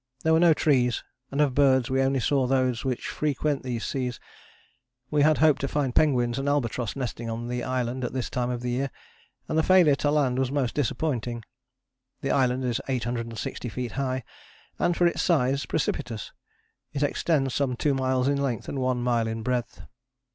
There were no trees, and of birds we only saw those which frequent these seas. We had hoped to find penguins and albatross nesting on the island at this time of the year, and this failure to land was most disappointing. The island is 860 feet high, and, for its size, precipitous. It extends some two miles in length and one mile in breadth.